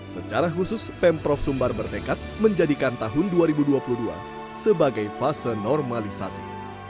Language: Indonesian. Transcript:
secara khusus pemprov sumbar bertekad menjadikan tahun dua ribu dua puluh dua sebagai fase normalisasi